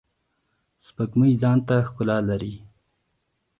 سپوږمۍ ځانته ښکلا لری.